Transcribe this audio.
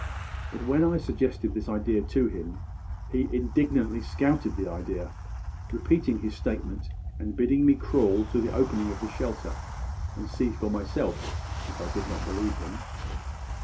But when I suggested this idea to him he indignantly scouted the idea, repeating his statement and bidding me crawl to the opening of the shelter and see for myself, if I did not believe him.